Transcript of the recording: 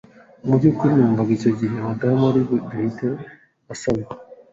mu byukuri numvaga icyo gihe madamu ari buhite asama